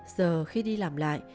giờ khi đi làm lại